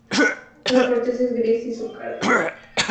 La corteza es gris y surcada.